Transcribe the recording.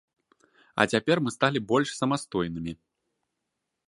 А цяпер мы сталі больш самастойнымі.